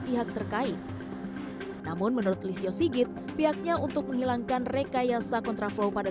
pihak terkait namun menurut listio sigit pihaknya untuk menghilangkan rekayasa kontraflow pada